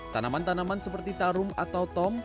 tanaman tanaman seperti tarum atau tom